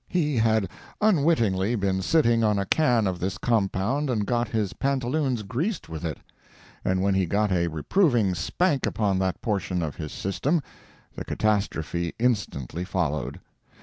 He had unwittingly been sitting on a can of this compound and got his pantaloons greased with it; and when he got a reproving spank upon that portion of his system, the catastrophe instantly followed.